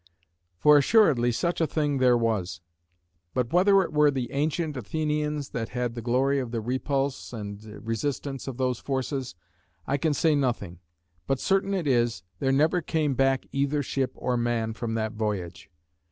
For assuredly such a thing there was. But whether it were the ancient Athenians that had the glory of the repulse and resistance of those forces, I can say nothing: but certain it is, there never came back either ship or man from that voyage.